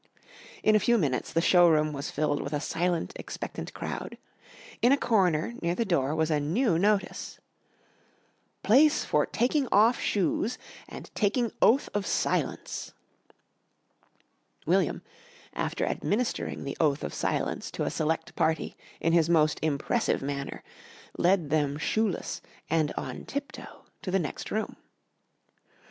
In a few minutes the showroom was filled with a silent, expectant crowd. In a corner near the door was a new notice: ++| PLACE FOR TAKING || OFF SHOES AND TAKING || OTH OF SILENCE |++ William, after administering the oath of silence to a select party in his most impressive manner led them shoeless and on tiptoe to the next room.